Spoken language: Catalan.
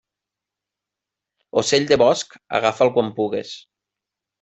Ocell de bosc, agafa'l quan pugues.